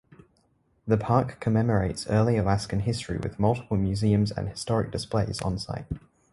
The park commemorates early Alaskan history with multiple museums and historic displays on site.